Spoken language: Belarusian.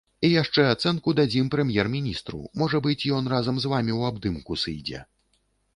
І яшчэ ацэнку дадзім прэм'ер-міністру, можа быць, ён разам з вамі ў абдымку сыдзе.